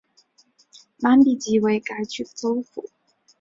曼比季为该区的首府。